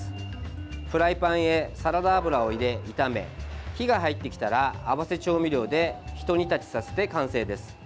フライパンへサラダ油を入れ炒め火が入ってきたら合わせ調味料でひと煮立ちさせて完成です。